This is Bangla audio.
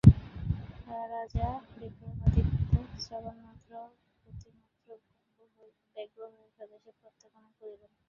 রাজা বিক্রমাদিত্য শ্রবণমাত্র অতিমাত্র ব্যগ্র হইয়া স্বদেশে প্রত্যাগমন করিলেন।